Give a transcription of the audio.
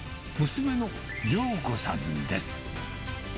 娘の亮子さんです。